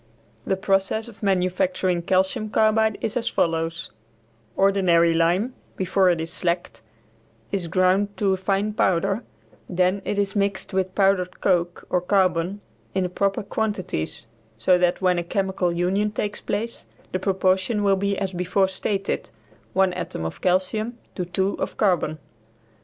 The process of manufacturing calcium carbide is as follows: Ordinary lime before it is slacked is ground to a fine powder; then it is mixed with powdered coke or carbon in the proper quantities, so that when a chemical union takes place the proportion will be as before stated, one atom of calcium to two of carbon.